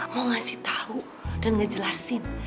mau ngasih tahu dan ngejelasin